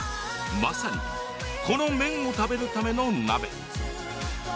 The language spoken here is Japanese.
まさに、この麺を食べるための鍋。